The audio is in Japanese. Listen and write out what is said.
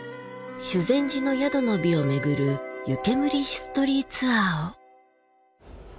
修善寺の宿の美をめぐる湯煙ヒストリーツアーを。